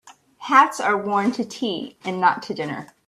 Hats are worn to tea and not to dinner.